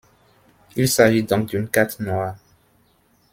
Il s'agit donc d'une carte noire.